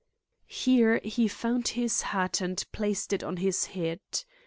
Here he found his hat and placed it on his head.